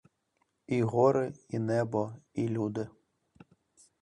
І гори, і небо, і люди.